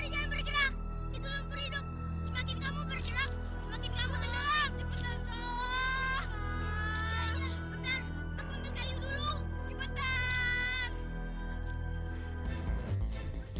semakin kamu bergerak semakin kamu tergelam